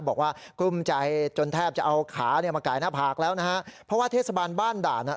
กลุ้มใจจนแทบจะเอาขาเนี่ยมาไก่หน้าผากแล้วนะฮะเพราะว่าเทศบาลบ้านด่านอ่ะ